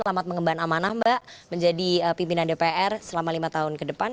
selamat mengemban amanah mbak menjadi pimpinan dpr selama lima tahun ke depan